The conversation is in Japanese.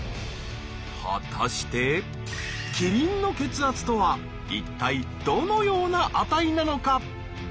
果たしてキリンの血圧とは一体どのような値なのか？